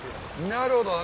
なるほど。